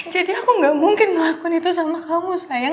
jadi aku gak mungkin ngakuin itu sama kamu sayang